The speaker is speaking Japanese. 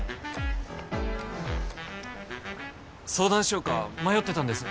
相談しようか迷ってたんです